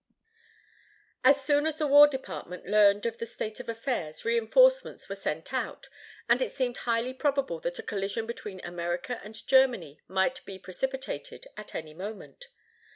As soon as the War Department learned of the state of affairs, reinforcements were sent out, and it seemed highly probable that a collision between America and Germany might be precipitated at any moment.